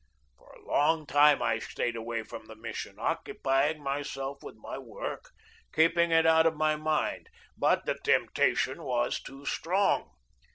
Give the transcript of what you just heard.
For a long time I stayed away from the Mission, occupying myself with my work, keeping it out of my mind. But the temptation was too strong.